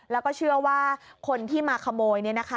แล้วก็เชื่อว่าคนที่มาขโมยนี่นะคะ